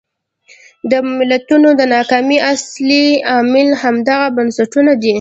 د ملتونو د ناکامۍ اصلي عامل همدغه بنسټونه دي.